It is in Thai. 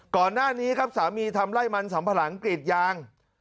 ก่อนหน้านี้ครับสามีทำไล่มันสำปะหลังกรีดยาง